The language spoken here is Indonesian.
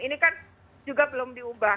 ini kan juga belum diubah